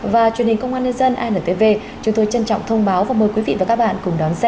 và truyền hình công an nhân dân antv chúng tôi trân trọng thông báo và mời quý vị và các bạn cùng đón xem